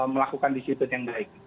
melakukan disitu yang baik